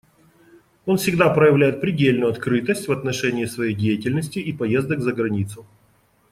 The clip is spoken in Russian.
Он всегда проявляет предельную открытость в отношении своей деятельности и поездок за границу.